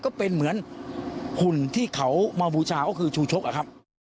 ก็เป็นเหมือนหุ่นที่เขามาบูชาก็คือชูชกอะครับ